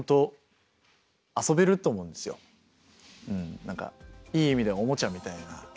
やっぱでも何かいい意味でおもちゃみたいな。